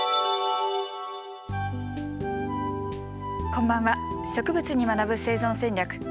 こんばんは「植物に学ぶ生存戦略」。